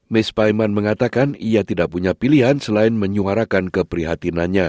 mis paiman mengatakan ia tidak punya pilihan selain menyuarakan keprihatinannya